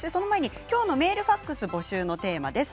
きょうのメール、ファックス募集のテーマです。